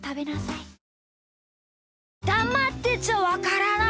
だまってちゃわからない！